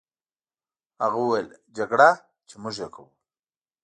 هغه وویل: جګړه، چې موږ یې کوو.